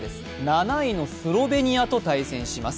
７位のスロベニアと対戦します。